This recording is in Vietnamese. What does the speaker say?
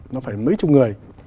nó phải mấy chục người